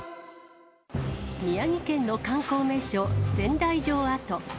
宮城県の観光名所、仙台城跡。